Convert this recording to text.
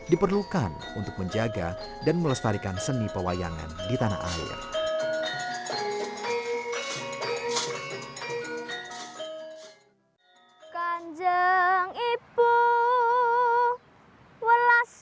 diperlukan untuk menjaga dan melestarikan seni pewayangan di tanah air